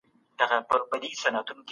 هګۍ.